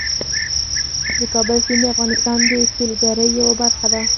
د کابل سیند د افغانستان د سیلګرۍ یوه برخه ده.